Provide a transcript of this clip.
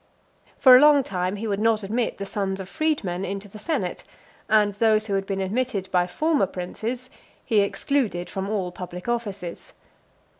For a long time he would not admit the sons of freedmen into the senate; and those who had been admitted by former princes, he excluded from all public offices.